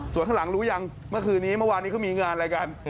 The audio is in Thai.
ส่วนข้างหลังรู้ยังเมื่อคืนนี้เมื่อวานนี้เขามีงานอะไรกัน